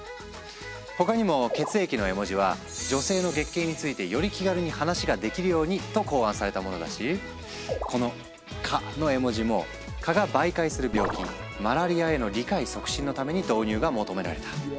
他にも血液の絵文字は女性の月経についてより気軽に話ができるようにと考案されたものだしこの蚊の絵文字も蚊が媒介する病気マラリアへの理解促進のために導入が求められた。